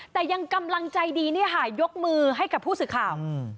แต่ยังกำลังใจดีเนี่ยค่ะยกมือให้กับผู้สื่อข่าว